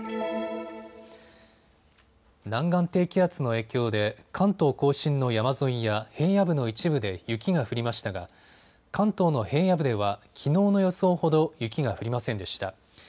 南岸低気圧の影響で関東甲信の山沿いや平野部の一部で雪が降りましたが関東の平野部では、きのうの予想ほど雪が降りませんでした。